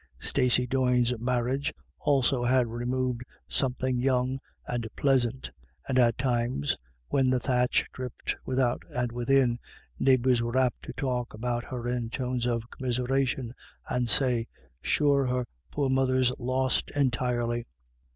Stacey Doyne's marriage also had removed something young and pleasant, and at times, when the thatch dripped without and within, neighbours were apt to talk ajiout her in tones of commiseration, and say, " Sure her poor mother's lost entirely."